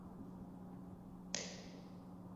最终心理学家证实这匹马不能真正地进行计算。